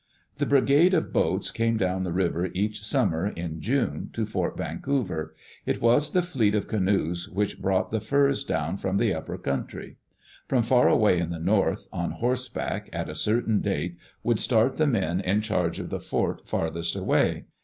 The Brigade of Boats came down the river each sum mer, in June, to Fort Vancouver. It was die fleet of canoes which brought the furs down from the upper country. From far away in the north, on horseback, at a certain date, would start the men in charge of the fort farthest away.